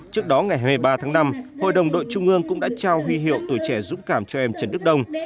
trước đó ngày hai mươi ba tháng năm hội đồng đội trung ương cũng đã trao huy hiệu tuổi trẻ dũng cảm cho em trần đức đông